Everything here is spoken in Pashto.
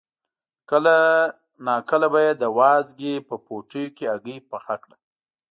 کله ناکله به یې د وازدې په پوټیو کې هګۍ پخه کړه.